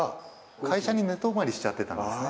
会社に寝泊まりしちゃってたんですね。